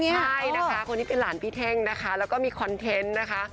ใช่นะคะคนนี้เป็นหลานพี่เท่งนะคะแล้วก็มีคอนเทนต์นะคะ